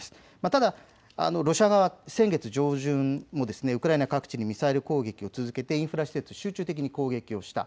ただロシア側は先月上旬もウクライナ各地にミサイル攻撃を続けていてインフラ施設を集中的に抗議しました。